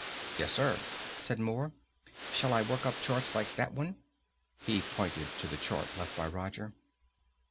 "Yes, sir," said Moore. "Shall I work up charts like that one?" He pointed to the chart left by Roger.